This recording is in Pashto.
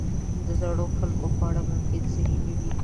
د زړو خلکو خواړه ممکن صحي نه وي.